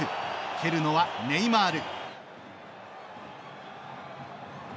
蹴るのは、ネイマール。